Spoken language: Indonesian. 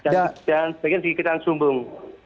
dan sebagian di kecamat serumbung